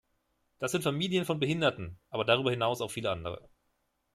Das sind Familien von Behinderten, aber darüber hinaus auch viele andere.